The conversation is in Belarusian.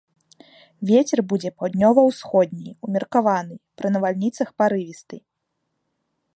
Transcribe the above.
Вецер будзе паўднёва-ўсходні ўмеркаваны, пры навальніцах парывісты.